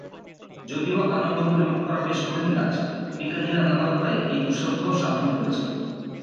যদিও আনন্দ পরিমাপ করা বেশ কঠিন কাজ, বিজ্ঞানীরা নানা উপায়ে এই দুঃসাধ্য সাধন করেছেন।